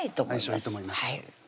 相性いいと思います